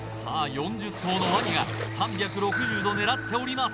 ４０頭のワニが３６０度狙っております